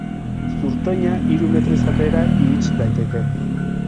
Zurtoina hiru metro izatera irits daiteke.